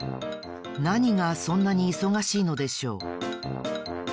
なにがそんなにいそがしいのでしょう？